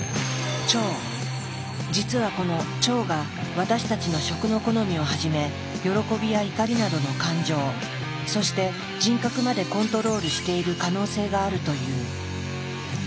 実はこの腸が私たちの食の好みをはじめ喜びや怒りなどの感情そして人格までコントロールしている可能性があるという。